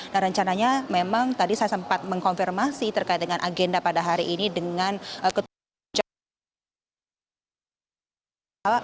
nah rencananya memang tadi saya sempat mengkonfirmasi terkait dengan agenda pada hari ini dengan ketua